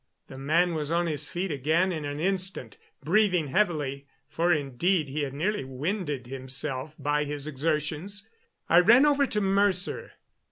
The man was on his feet again in an instant, breathing heavily, for indeed he had nearly winded himself by his exertions. I ran over to Mercer.